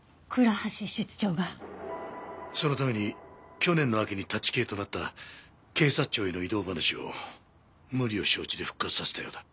そのために去年の秋に立ち消えとなった警察庁への異動話を無理を承知で復活させたようだ。